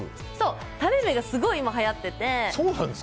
たれ目がすごい今はやってて。